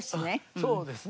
そうですね。